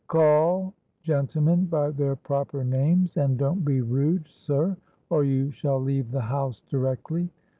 'Call gentlemen by their proper names, and don't be rude, sir, or you shall leave the house directly.'